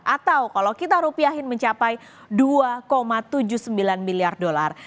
atau kalau kita rupiahin mencapai dua tujuh puluh sembilan miliar dolar